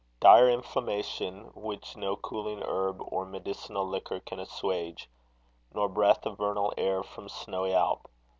Dire inflammation, which no cooling herb Or medicinal liquor can asswage, Nor breath of vernal air from snowy Alp.